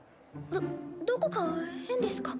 どどこか変ですか？